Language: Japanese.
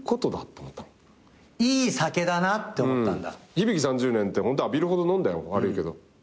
響３０年ってホント浴びるほど飲んだよ悪いけど。